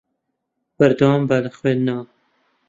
بەردەوام بە لە خوێندنەوە.